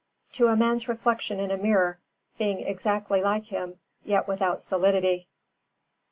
To a man's reflection in a mirror, being exactly like him yet without solidity.